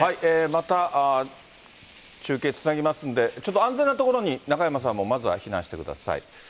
また中継つなぎますんで、ちょっと安全な所に中山さんもまずは避難してください。